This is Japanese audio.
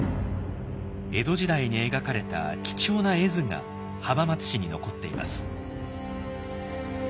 江戸時代に描かれた貴重な絵図が浜松市に残っています。